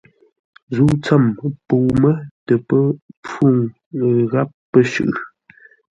Zə̂u tsəm pəu mə́ tə pə́ pfú gháp pə̂ shʉʼʉ.